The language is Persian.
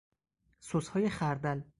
سسهای خردل